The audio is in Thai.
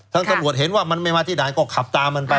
ตำรวจเห็นว่ามันไม่มาที่ไหนก็ขับตามมันไป